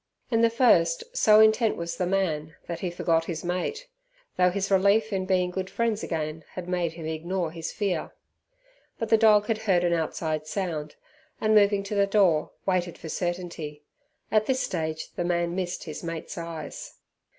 In the first, so intent was the man, that he forgot his mate; though his relief in being good friends again had made him ignore his fear. But the dog had heard an outside sound, and, moving to the door, waited for certainty. At this stage the man missed his mate's eyes.